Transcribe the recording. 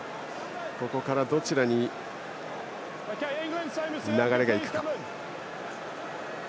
ここから、どちらに流れが行くか。